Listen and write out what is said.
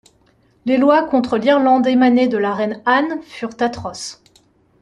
Les lois contre l’Irlande émanées de la reine Anne furent atroces.